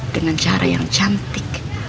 dengan cara yang cantik